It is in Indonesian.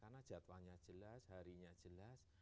karena jadwalnya jelas harinya jelas